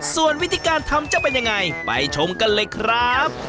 ส่วนวิธีการทำจะเป็นยังไงไปชมกันเลยครับ